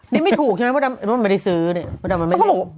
นี่ไม่ถูกใช่ไหมมดดำมดดำมาได้ซื้อเนี่ย